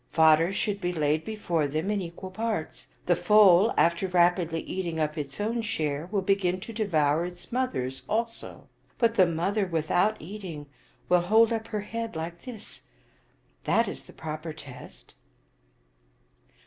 Fodder should be laid before them in equal parts. The foal, after rapidly eating up its own share, will begin to devour its mother's also; but the mother, without eating, will hold up her head like this. That is the proper test."